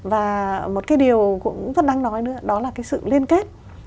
và một cái điều cũng vẫn đang nói nữa đó là cái sự liên kết